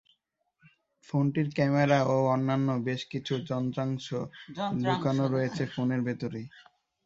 ফোনটির ক্যামেরা ও অন্যান্য বেশ কিছু যন্ত্রাংশ লুকানো রয়েছে ফোনের ভেতরেই।